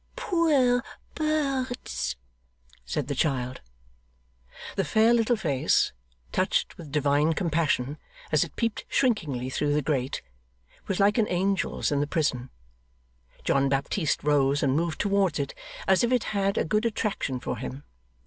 'Poor birds!' said the child. The fair little face, touched with divine compassion, as it peeped shrinkingly through the grate, was like an angel's in the prison. John Baptist rose and moved towards it, as if it had a good attraction for him.